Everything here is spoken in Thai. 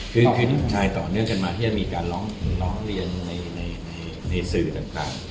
คือลูกชายต่อเนื่องกันมาที่จะมีการร้องเรียนในสื่อต่าง